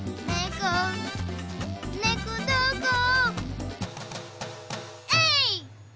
こねこどこえい！